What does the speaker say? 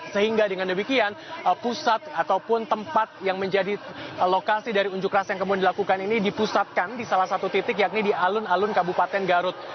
sehingga dengan demikian pusat ataupun tempat yang menjadi lokasi dari unjuk rasa yang kemudian dilakukan ini dipusatkan di salah satu titik yakni di alun alun kabupaten garut